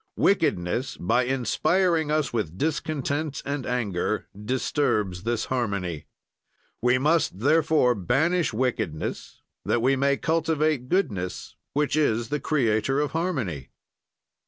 "Wickedness, by inspiring us with discontent and anger, disturbs this harmony. "We must, therefore, banish wickedness, that we may cultivate goodness, which is the creator of harmony."